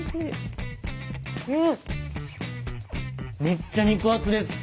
めっちゃ肉厚です。